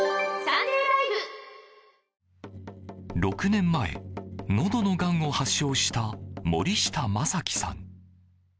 ６年前、のどのがんを発症した森下昌毅さん。